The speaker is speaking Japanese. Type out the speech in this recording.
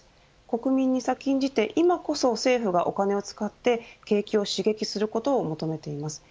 国民に先んじて今こそ政府がお金を使って景気を刺激することを求めています。